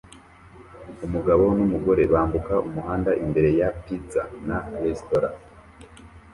Umugabo numugore bambuka umuhanda imbere ya pizza na resitora